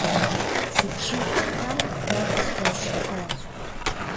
Си пщылӀхэм дэ къысхуащыпащ!